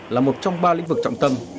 là một trong ba lĩnh vực trọng tâm